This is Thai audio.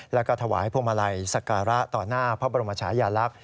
แล้วก็ถวายพวงมาลัยสักการะต่อหน้าพระบรมชายาลักษณ์